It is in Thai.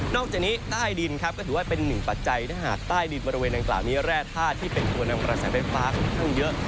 นอกจากนี้ใต้ดินครับก็ถือว่าเป็นหนึ่งปัจจัยนะฮะใต้ดินบริเวณอังกฤษมีแร่ภาทที่เป็นตัวนำระแสเป็นฟ้าค่อนข้างเยอะ